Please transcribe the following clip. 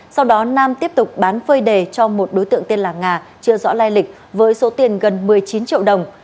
sau đó nam tiếp tục bán phơi đề cho một đối tượng tên là nga chưa rõ lai lịch với số tiền gần một mươi chín triệu đồng